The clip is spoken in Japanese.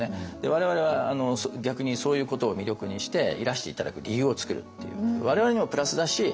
我々は逆にそういうことを魅力にしていらして頂く理由を作るっていう。